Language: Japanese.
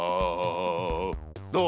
どう？